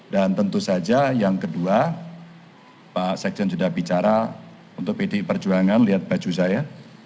dan tentu saja yang kedua pak sekjen sudah bicara untuk pd perjuangan lihat baju saya